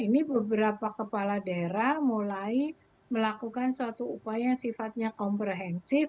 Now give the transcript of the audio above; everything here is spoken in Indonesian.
ini beberapa kepala daerah mulai melakukan suatu upaya sifatnya komprehensif